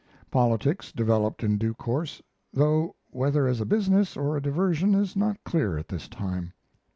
Politics developed in due course, though whether as a business or a diversion is not clear at this time.